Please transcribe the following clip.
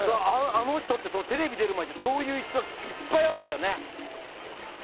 あの人、テレビ出る前ってそういう逸話がいっぱいあんだよね。